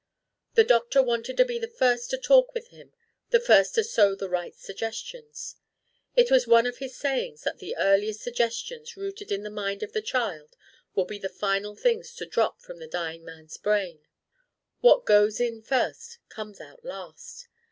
The doctor wanted to be the first to talk with him the first to sow the right suggestions: it was one of his sayings that the earliest suggestions rooted in the mind of the child will be the final things to drop from the dying man's brain: what goes in first comes out last.